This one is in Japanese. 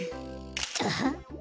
アハッ！